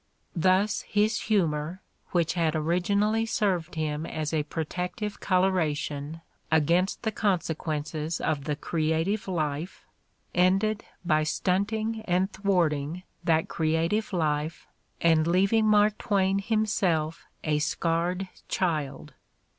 Thus his humor, which had originally served him as a protective coloration against the consequences of the creative life, ended by stunting and thwarting that creative life and leaving Mark Twain himself a scarred child.